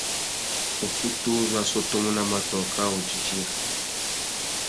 Ukutu uzú a sôtômú nà matōh kā wô didiya.